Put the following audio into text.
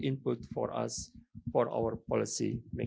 input yang baik untuk kita